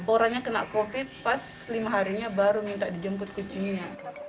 orangnya kena covid pas lima harinya baru minta dijemput kucingnya